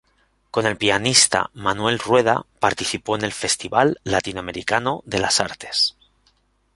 Con el pianista Manuel Rueda participó en el "Festival Latino-americano de las Artes".